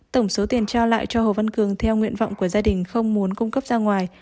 tổng số tiền trao lại cho hồ văn cường theo nguyện vọng của gia đình không muốn cung cấp ra ngoài